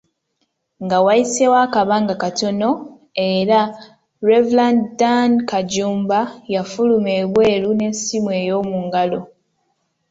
Nga wayiseewo akabanga katono era, Rev. Dan Kajumba, yafuluma ebweru n’essimu eyomungalo